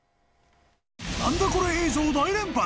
何だこれ映像大連発。